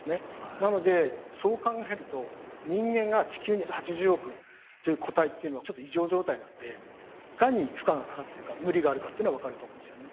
なのでそう考えると人間が地球に８０億という個体っていうのちょっと異常状態なんでいかに負荷がかかってるか無理があるかっていうのが分かると思うんですよね。